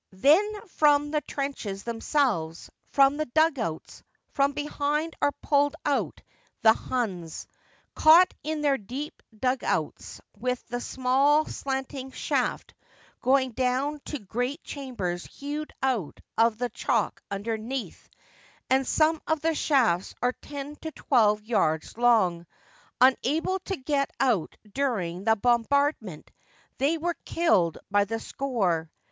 ... Then from the trenches themselves, from the dug outs, from behind are pulled out the Huns. Caught in their deep dug outs, with the small, slanting shaft going down to great chambers hewed out of the chalk underneath — and some of the shafts are ten to twelve yards long — unable to get out during the bombardment, they were killed by the score.